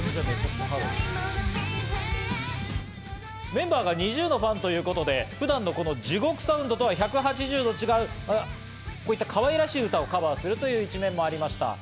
メンバーがＮｉｚｉＵのファンということで普段の地獄サウンドとは１８０度違う、こういった可愛らしい歌をカバーするという一面もありました。